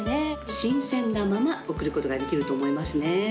新鮮なまま送ることができると思いますね。